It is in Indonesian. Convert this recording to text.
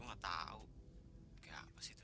nggak jelas gitu